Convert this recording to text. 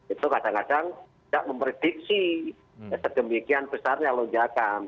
itu kadang kadang tidak memrediksi segembikian besarnya lonjakan